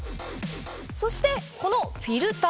そしてこのフィルター。